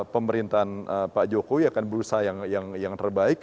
pemerintahan pak jokowi akan berusaha yang terbaik